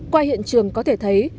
qua hiện trường có thể thấy